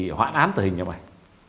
thì hoãn án tử hình cho mày